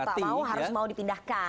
mau tak mau harus mau dipindahkan